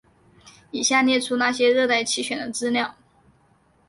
以下列出那些热带气旋的资料。